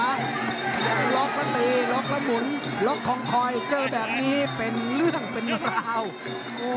แล้วล็อกแล้วตีล็อกแล้วหมุนล็อกคองคอยเจอแบบนี้เป็นเรื่องเป็นราวโอ้